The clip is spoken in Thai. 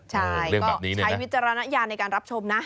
ใช่ก็ใช้วิจารณญาณในการรับชมนะ